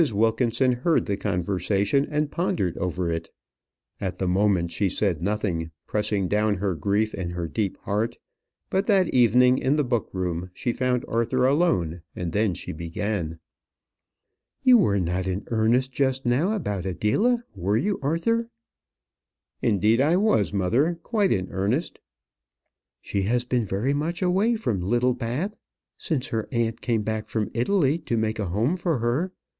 Wilkinson heard the conversation, and pondered over it. At the moment she said nothing, pressing down her grief in her deep heart; but that evening, in the book room, she found Arthur alone; and then she began. "You were not in earnest just now about Adela, were you, Arthur?" "Indeed I was, mother; quite in earnest." "She has been very much away from Littlebath since her aunt came back from Italy to make a home for her.